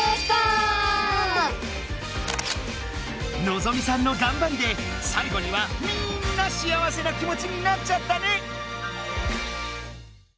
のぞみさんのがんばりで最後にはみんな幸せな気もちになっちゃったね！